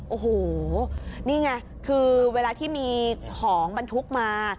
โอ้โหนี่ไงคือเวลาที่มีของบรรทุกมา